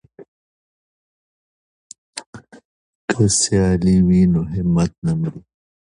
که سیالي وي نو همت نه مري.